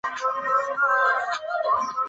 随后软件建议将相关应用显示在另一侧。